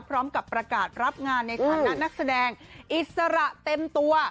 พร้อมกับประกาศรับงานในฐานะนักแสดงอิสระเต็มตัว